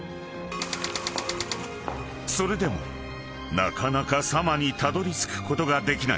［それでもなかなかサマにたどりつくことができない］